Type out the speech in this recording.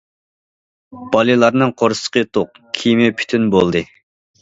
بالىلارنىڭ قورسىقى توق، كىيىمى پۈتۈن بولدى.